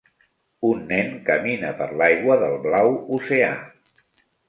Un nen camina per l'aigua del blau oceà.